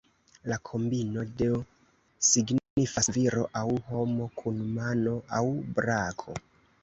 La kombino do signifas "Viro aŭ homo kun mano aŭ brako".